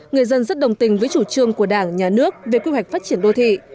người dân rất đồng tình với chủ trương của đảng nhà nước về quy hoạch phát triển đô thị